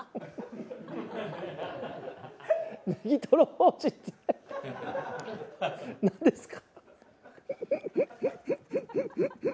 ネギトロ王子って、何ですか。